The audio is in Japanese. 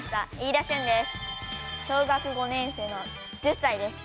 小学５年生の１０歳です。